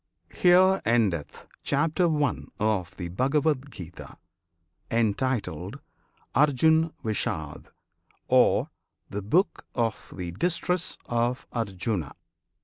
HERE ENDETH CHAPTER I. OF THE BHAGAVAD GITA, Entitled "Arjun Vishad," Or "The Book of the Distress of Arjuna."